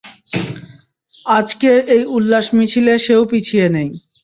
আজকের এই উল্লাস মিছিলে সেও পিছিয়ে নেই।